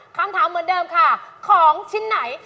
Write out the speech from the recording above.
อย่างเดิมของชิ้นไหน